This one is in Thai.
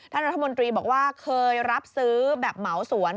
รัฐมนตรีบอกว่าเคยรับซื้อแบบเหมาสวน